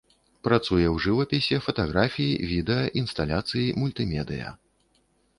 Працуе ў жывапісе, фатаграфіі, відэа, інсталяцыі, мультымедыя.